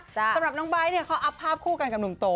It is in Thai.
สำหรับน้องไบท์เนี่ยเขาอัพภาพคู่กันกับหนุ่มโต